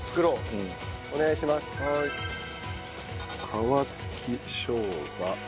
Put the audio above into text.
皮つきしょうが。